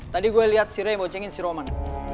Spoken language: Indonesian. tadi gue lihat si ray boncengin si roman